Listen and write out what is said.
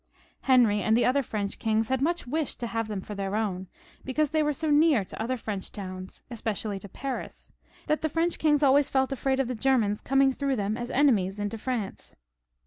Henry and other French kings had much wished to have them for their own, because they were so near to other French towns, especially to Paris, that the French kings always felt afraid of the Germans coming through them as enemies into France.